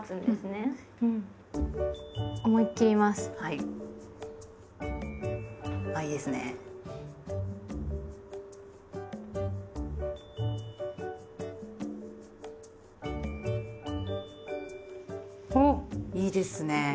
いいですねぇ。